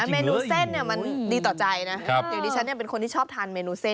เมนูเส้นเนี่ยมันดีต่อใจนะอย่างที่ฉันเป็นคนที่ชอบทานเมนูเส้น